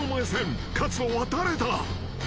［勝つのは誰だ？］